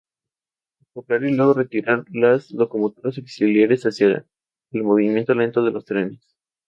Acoplar y luego retirar las locomotoras auxiliares hacía lento el movimiento de los trenes.